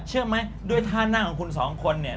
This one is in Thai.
เชื่อไหมด้วยท่านั่งของคุณสองคนเนี่ย